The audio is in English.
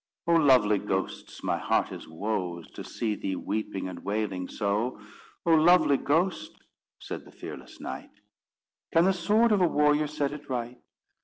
_ "Oh, lovely ghosts my heart is woes To see thee weeping and wailing so. Oh, lovely ghost," said the fearless knight, "Can the sword of a warrior set it right?